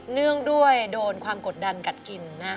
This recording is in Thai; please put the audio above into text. เนื่องด้วยโดนความกดดันกัดกิน